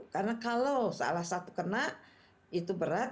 karena kalau salah satu kena itu berat